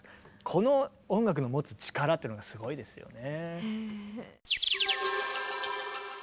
この音楽の持つ力っていうのがすごいですよね。